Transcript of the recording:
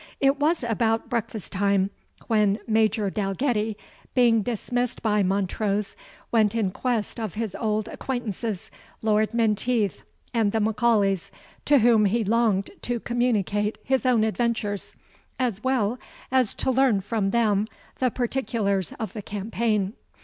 It was about breakfast time, when Major Dalgetty, being dismissed by Montrose, went in quest of his old acquaintances, Lord Menteith and the M'Aulays, to whom he longed to communicate his own adventures, as well as to learn from them the particulars of the campaign.